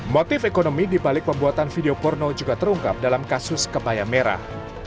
motif ekonomi dibalik pembuatan video porno juga terungkap dalam kasus kebaya merah